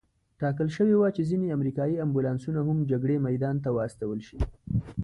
ټاکل شوې وه چې ځینې امریکایي امبولانسونه هم جګړې میدان ته واستول شي.